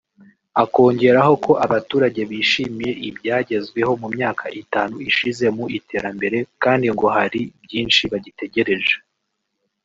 akongeraho ko abaturage bishimiye ibyagezweho mu myaka itanu ishize mu iterambere kandi ngo hari byinshi bagitegereje